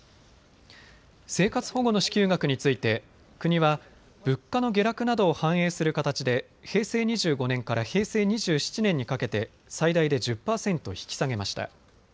生活保護の支給額について国は物価の下落などを反映する形で平成２５年から平成２７年にかけて最大で１０％引き下げました。